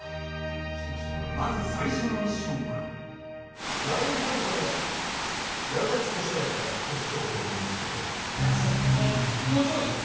まず最初のミッションはラインハルトの矢崎十志也が帰国したことをみんな知ってるか矢崎もちろんです